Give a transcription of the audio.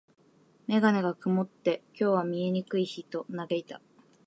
メガネが曇って、「今日は見えにくい日」と嘆いた。